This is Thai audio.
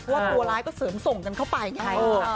เพราะว่าตัวร้ายก็เสริมส่งกันเข้าไปใช่ไหมเออเออ